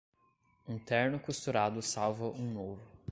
Um terno costurado salva um novo.